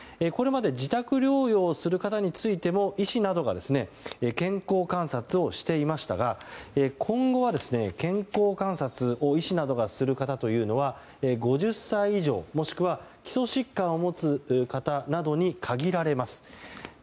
これまで自宅療養をする方についても医師などが健康観察をしていましたが今後は健康観察を医師などがする方というのは５０歳以上もしくは基礎疾患を持つ方などに限られます。